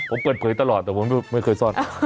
ผมเปิดเผยตลอดแต่ผมไม่เคยซ่อน